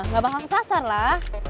gak bakal kesasar lah